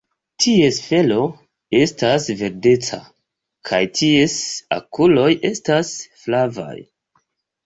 Ties felo estas verdeca kaj ties okuloj estas flavaj.